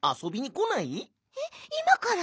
えっいまから？